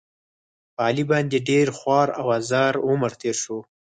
په علي باندې ډېر خوار او زار عمر تېر شو.